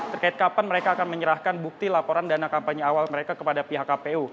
terkait kapan mereka akan menyerahkan bukti laporan dana kampanye awal mereka kepada pihak kpu